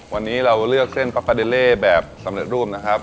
วันนี้เราเลือกเส้นปลาคาเดเล่แบบสำเร็จรูปนะครับ